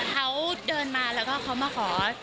เขาเดินมาแล้วก็เขามาขอ